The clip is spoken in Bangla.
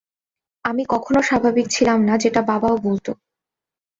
আমি কখনো স্বাভাবিক ছিলাম না যেটা বাবাও বলত।